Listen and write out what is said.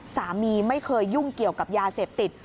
สามีไม่เคยยุ่งเกี่ยวกับยาเสพติด